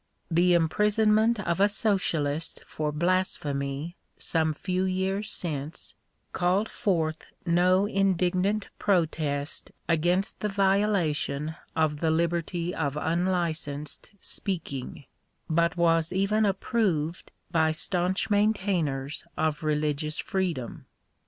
The imprisonment of a socialist for blasphemy some few years since, called forth no indignant protest against the violation of u the liberty of unlicensed" speaking, but was even approved by staunch maintainors of religious freedom.